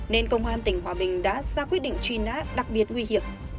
nên công an tỉnh hòa bình đã ra quyết định truy nã đặc biệt nguy hiểm